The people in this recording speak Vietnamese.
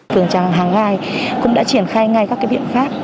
phường tràng hàng hai cũng đã triển khai ngay các biện pháp